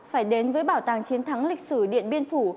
phải đến với bảo tàng chiến thắng lịch sử điện biên phủ